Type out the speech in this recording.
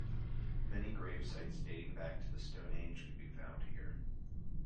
Many grave sites dating back to the Stone Age can be found here.